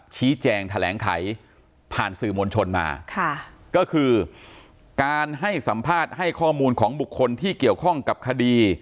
ชี้แจงแถลงไขผ่านสื่อมวลชนมาค่ะก็คือการให้สัมภาษณ์ให้ข้อมูลของบุคคลที่เกี่ยวข้องกับคดี